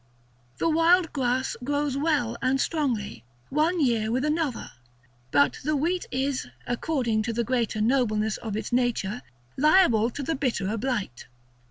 The wild grass grows well and strongly, one year with another; but the wheat is, according to the greater nobleness of its nature, liable to the bitterer blight.